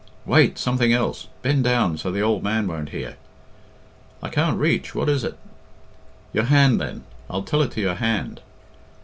"Wait! Something else. Bend down so the ould man won't hear." "I can't reach what is it?" "Your hand, then; I'll tell it to your hand."